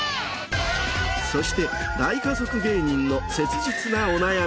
そして大家族芸人の切実なお悩み。